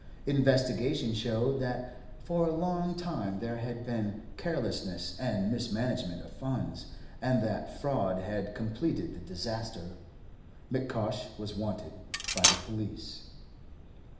Investigation showed that for a long time there had been carelessness and mismanagement of funds, and that fraud had completed the disaster. M'Cosh was wanted by the police.